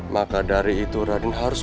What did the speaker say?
maka dari itu raden harus